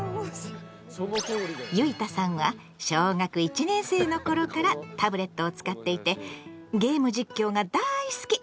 ゆいたさんは小学１年生のころからタブレットを使っていてゲーム実況がだい好き。